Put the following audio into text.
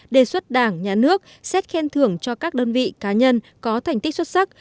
đề xuất đảng nhà nước xét khen thưởng cho các đơn vị cá nhân có thành tích xuất sắc